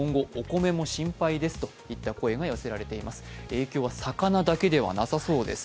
影響は魚だけではなさそうです。